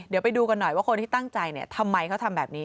เดี๋ยวไปดูกันหน่อยว่าคนที่ตั้งใจทำไมเขาทำแบบนี้